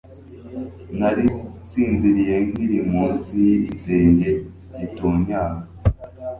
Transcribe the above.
Nari nsinziriye nkiri munsi yigisenge gitonyanga